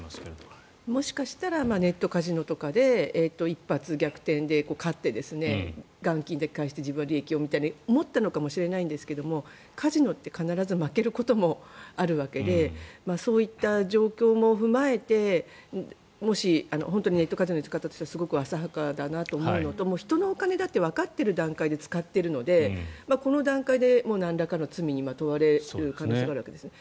もしかしたらネットカジノとかで一発逆転で勝って元金だけ返して自分の利益をって思ったのかもしれないんですがカジノって必ず負けることもあるわけでそういった状況も踏まえてもし本当にネットカジノで使ったとしたらすごく浅はかだなと思うのと人のお金だってわかっている段階で使っているのでこの段階でなんらかの罪に問われる可能性があるわけですね。